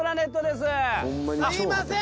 すいません！